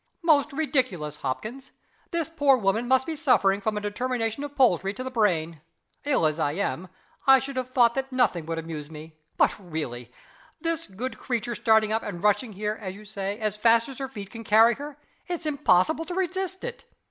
"Most ridiculous, Hopkins! This poor woman must be suffering from a determination of poultry to the brain. Ill as I am, I should have thought that nothing could amuse me. But, really, this good creature starting up, and rushing here, as you say, as fast as her feet can carry her it's impossible to resist it!